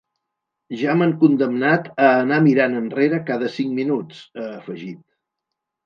“Ja m’han condemnat a anar mirant enrere cada cinc minuts”, ha afegit.